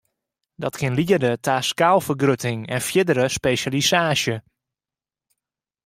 Dat kin liede ta skaalfergrutting en fierdere spesjalisaasje.